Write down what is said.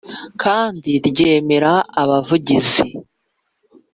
Kandi ryemera abavugizi